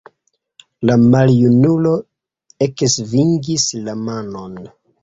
La maljunulo eksvingis la manon.